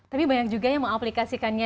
tapi banyak juga yang mengaplikasikannya